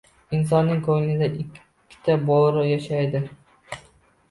Insonning ko‘nglida ikkita bo‘ri yashaydi.